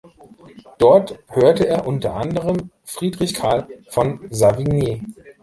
Dort hörte er unter anderem Friedrich Carl von Savigny.